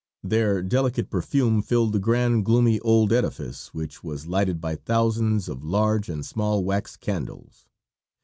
Their delicate perfume filled the grand, gloomy old edifice, which was lighted by thousands of large and small wax candles.